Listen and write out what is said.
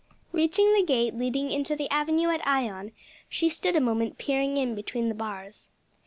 Reaching the gate leading into the avenue at Ion, she stood a moment peering in between the bars.